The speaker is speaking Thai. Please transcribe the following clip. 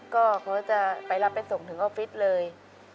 ก็เขาจะไปรับไปส่งถึงออฟฟิศเลย